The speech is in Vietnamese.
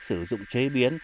sử dụng chế biến